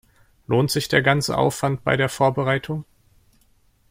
Lohnt sich der ganze Aufwand bei der Vorbereitung?